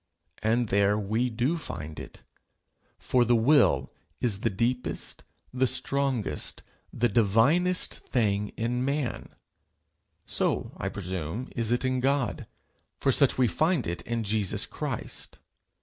And there we do find it. For the will is the deepest, the strongest, the divinest thing in man; so, I presume, is it in God, for such we find it in Jesus Christ.